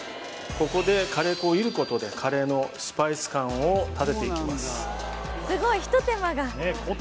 ここでカレー粉を煎ることでカレーのスパイス感を立てていきます